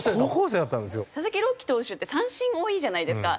佐々木朗希投手って三振多いじゃないですか。